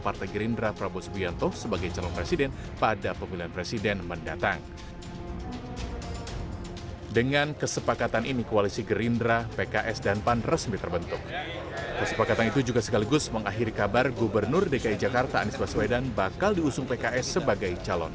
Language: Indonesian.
pertemuan ketua umum dpp gerindra prabowo subianto di jalan kertanegara jakarta sabtu siang